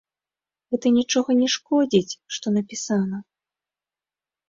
Гэта нічога не шкодзіць, што напісана.